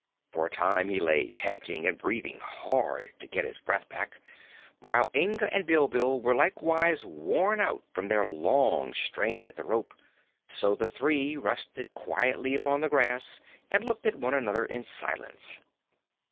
For a time he lay panting and breathing hard to get his breath back, while Inga and Bilbil were likewise worn out from their long strain at the rope; so the three rested quietly upon the grass and looked at one another in silence.